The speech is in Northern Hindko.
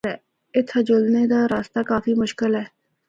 اِتھا جلنا دا رستہ کافی مشکل اے۔